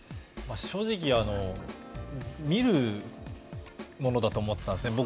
正直、見るものだと思っていたんですね。